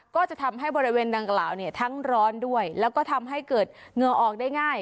ก็จะทำให้บริเวณดังกล่าวเนี่ยทั้งร้อนด้วยแล้วก็ทำให้เกิดเหงื่อออกได้ง่าย